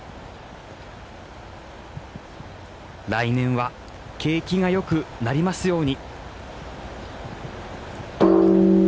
来年は景気がよくなりますように。